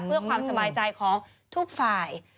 เพื่อความสบายใจของทุกฝ่าย